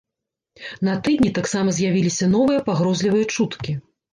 На тыдні таксама з'явіліся новыя пагрозлівыя чуткі.